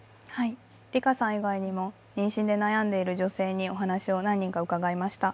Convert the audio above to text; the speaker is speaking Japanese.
りかさん以外にも妊娠で悩んでいる女性にお話を何人か伺いました。